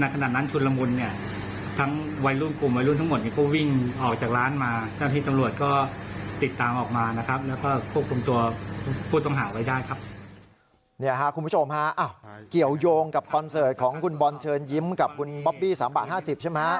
นี่ค่ะคุณผู้ชมฮะเกี่ยวยงกับคอนเสิร์ตของคุณบอลเชิญยิ้มกับคุณบ๊อบบี้๓บาท๕๐ใช่ไหม